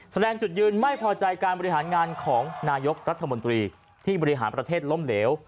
แสดงจุดยืนไม่พอใจการบริหารงานของนายกรัฐมนตรีที่บริหารประเทศล้มเหลว